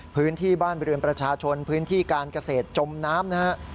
พื้นที่บ้านเรือนประชาชนพื้นที่การเกษตรจมน้ำนะฮะ